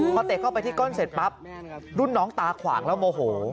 พอเตะเข้าไปที่ก้นเสร็จปั๊บรุ่นน้องตาขวางแล้วโมโห